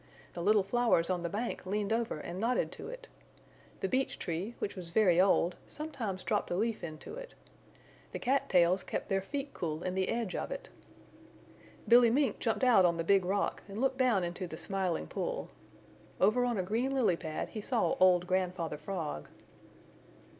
The little flowers on the bank leaned over and nodded to it. The beech tree, which was very old, sometimes dropped a leaf into it. The cat tails kept their feet cool in the edge of it. Billy Mink jumped out on the Big Rock and looked down into the Smiling Pool. Over on a green lily pad he saw old Grandfather Frog.